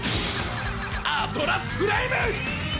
アトラスフレイム！